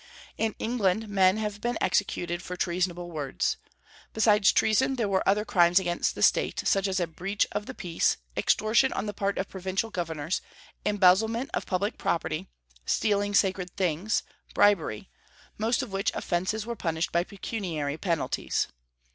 In England men have been executed for treasonable words. Besides treason there were other crimes against the State, such as a breach of the peace, extortion on the part of provincial governors, embezzlement of public property, stealing sacred things, bribery, most of which offences were punished by pecuniary penalties.